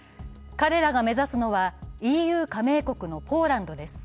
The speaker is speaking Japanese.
彼らが目指すのはＥＵ加盟国のポーランドです。